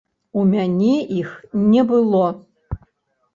У мяне іх не было.